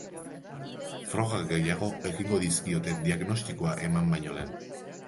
Froga gehiago egingo dizkiote diagnostiakoa eman baino lehen.